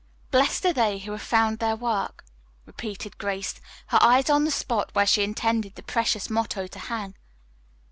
"'Blessed are they that have found their work,'" repeated Grace, her eyes on the spot where she intended the precious motto to hang.